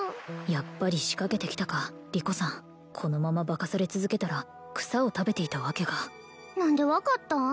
やっぱり仕掛けてきたかリコさんこのまま化かされ続けたら草を食べていたわけか何で分かったん？